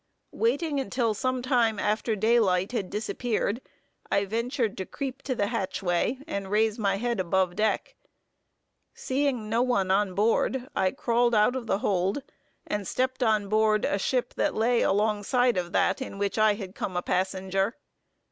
Waiting until sometime after daylight had disappeared, I ventured to creep to the hatchway, and raise my head above deck. Seeing no one on board, I crawled out of the hold, and stepped on board a ship that lay alongside of that in which I had come a passenger.